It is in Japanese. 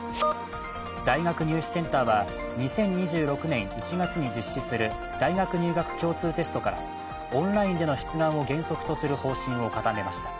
大学入試センターは２０２６年１月に実施する大学入学共通テストからオンラインでの出願を原則とする方針を固めました。